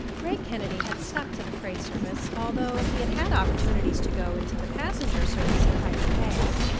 Ray Kennedy had stuck to the freight service, although he had had opportunities to go into the passenger service at higher pay.